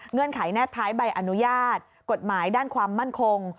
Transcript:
ไขแนบท้ายใบอนุญาตกฎหมายด้านความมั่นคง